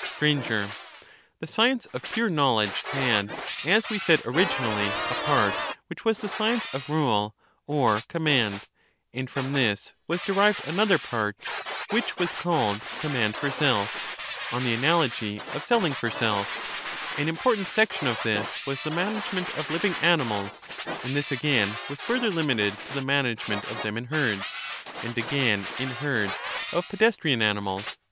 Sir. The science of pure knowledge had, as we said originally, a part which was the science of rule or com mand, and from this was derived another part, which was called command for self, on the analogy of selling for self ; an important section of this was the management of living animals, and this again was further limited to the manage ment of them in herds, and again in herds of pedestrian animals.